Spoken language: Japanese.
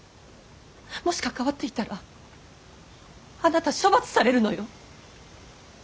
もし関わっていたらあなた処罰されるのよ。